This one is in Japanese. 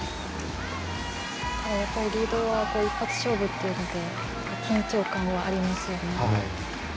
リードは一発勝負っていうので緊張感はありますよね。